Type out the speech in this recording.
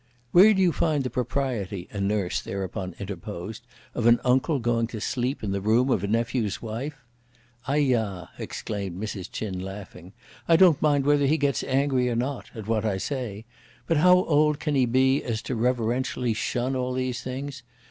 "Where do you find the propriety," a nurse thereupon interposed, "of an uncle going to sleep in the room of a nephew's wife?" "Ai ya!" exclaimed Mrs. Ch'in laughing, "I don't mind whether he gets angry or not (at what I say); but how old can he be as to reverentially shun all these things?